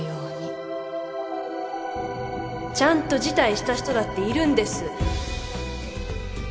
ちゃんと辞退した人だっているんです